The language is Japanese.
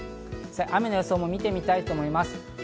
雨の予想も見てみたいと思います。